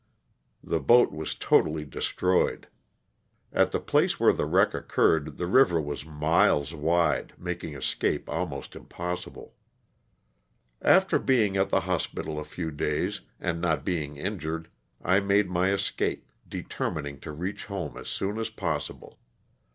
The boat was totally destroyed. At the place where the wreck occurred the river was miles wide, making escape almost impossible. After being at the hospital a few days, and not being injured, I made my escape, determining to reach home as soon as possible.